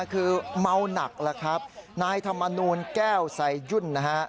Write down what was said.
คือเมาหนักแล้วครับนายธรรมนูลแก้วไซยุ่นนะฮะ